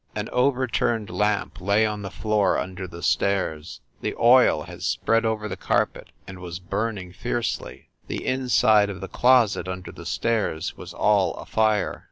An overturned lamp lay on the floor under the stairs, the oil had spread over the carpet, and was burning fiercely. The inside of the closet under the stairs was all afire.